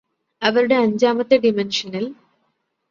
അവരുടെ അഞ്ചാമത്തെ ഡിമെന്ഷനില്